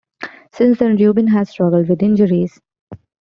Since then Rubin has struggled with injuries.